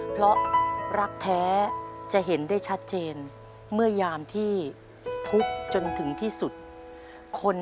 เพราะรักแท้จะเห็นได้ชัดเจน